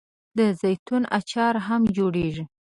د زیتون اچار هم جوړیږي.